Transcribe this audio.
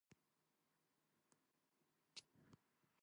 Tom tears up the banknotes and throws them in his brother's face.